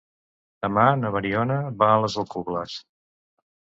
Demà na Mariona va a les Alcubles.